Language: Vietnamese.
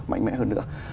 mạnh mẽ hơn nữa